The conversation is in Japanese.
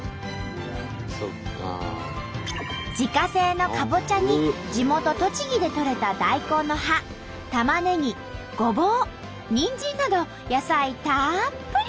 自家製のかぼちゃに地元栃木でとれた大根の葉たまねぎごぼうにんじんなど野菜たっぷり！